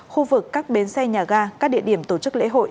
khu vực các bến xe nhà ga các địa điểm tổ chức lễ hội